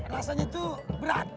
rasanya itu berat